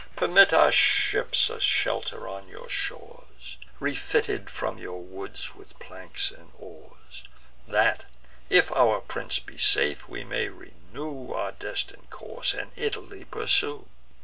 Permit our ships a shelter on your shores, Refitted from your woods with planks and oars, That, if our prince be safe, we may renew Our destin'd course, and Italy pursue.